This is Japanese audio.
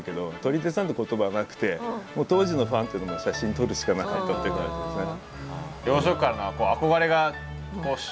言葉はなくて当時のファンっていうのは写真撮るしかなかったっていう感じですね。